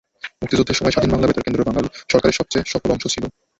মুক্তিযুদ্ধের সময় স্বাধীন বাংলা বেতার কেন্দ্র সরকারের সবচেয়ে সফল অংশ ছিল।